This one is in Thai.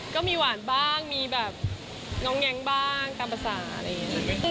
ก็มีหวานบ้างมีแบบง้องแง๊งบ้างตามภาษาอะไรอย่างนี้